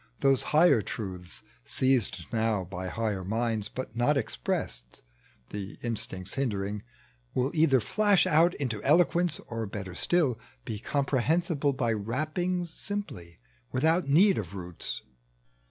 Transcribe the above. Those higher truths, seized now by higher minds .tec bv Google 178 A MISOK PEOPHET. But not expressed (the insects Mnderii^) Will either flash out into eloquence, Or better still, he comprehensible By rappings simply, without need of roots.